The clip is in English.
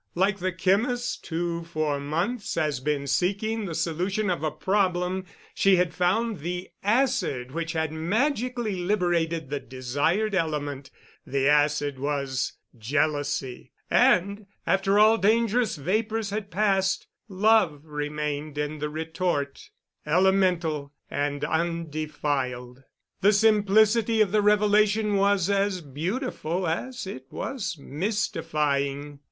Like the chemist who for months has been seeking the solution of a problem, she had found the acid which had magically liberated the desired element; the acid was Jealousy, and, after all dangerous vapors had passed, Love remained in the retort, elemental and undefiled. The simplicity of the revelation was as beautiful as it was mystifying.